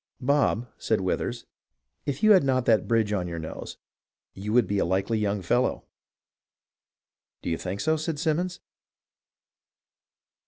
" Bob," said Withers, " if you had not that bridge on your nose, you would be a likely young fellow." " Do you think so .'" said Simons.